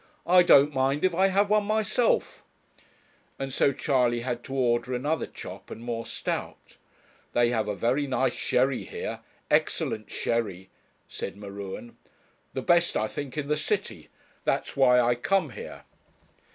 I don't mind if I have one myself,' and so Charley had to order another chop and more stout. 'They have very nice sherry here, excellent sherry,' said M'Ruen. 'The best, I think, in the city that's why I come here.'